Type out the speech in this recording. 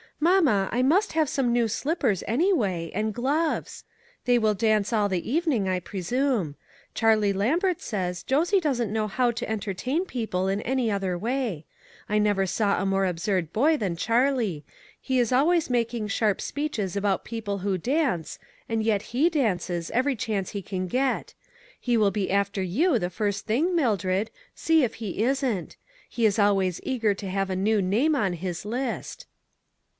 Mamma, I must have some new slippers, anyway, and gloves ; they will dance all the evening, I presume. Charlie Lambert says Josie doesn't know how to en tertain people in any other way. I never 244 ONE COMMONPLACE DAY. saw a more absurd boy than Charlie; he is always making sharp speeches about people who dance, and yet he dances, every chance he can get. He will be after you the first thing, Mildred ; see if he isn't. He is al ways eager to have a new name on his list."